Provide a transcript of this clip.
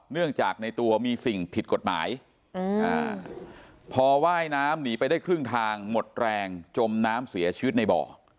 เนื่องจากในตัวมีสิ่งผิดกฎหมายพอว่ายน้ำหนีไปได้ครึ่งทางหมดแรงจมน้ำเสียชีวิตในบ่อ